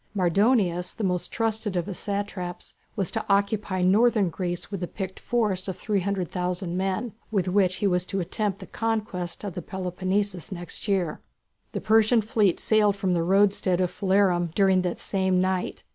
Mardonius, the most trusted of his satraps, was to occupy northern Greece with a picked force of 300,000 men, with which he was to attempt the conquest of the Peloponnesus next year. The Persian fleet sailed from the roadstead of Phalerum during that same night.